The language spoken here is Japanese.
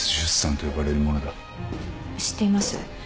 知っています。